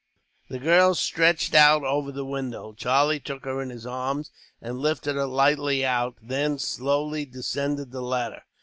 The girl stretched out over the window. Charlie took her in his arms, and lifted her lightly out, and then slowly descended the ladder.